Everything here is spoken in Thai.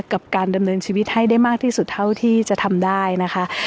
กับการดำเนินชีวิตให้ได้มากที่สุดเท่าที่จะทำได้นะคะ